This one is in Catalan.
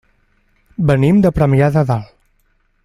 Venim de Premià de Dalt.